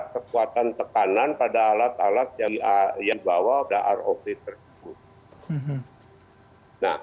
kekuatan tekanan pada alat alat yang ia yang dibawa pada